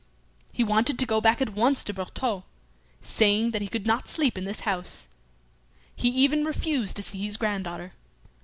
He wanted to go back at once to Bertaux, saying that he could not sleep in this house. He even refused to see his granddaughter.